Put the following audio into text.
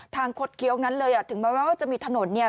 ทางคสเคียกนั้นเลยอะถึงไม่ว่าจะมีถนนเนี่ย